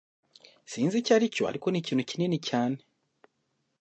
Sinzi icyo aricyo ariko nikintu kinini cyane